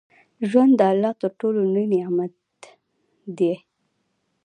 ژوند د الله تر ټولو لوى نعمت ديه.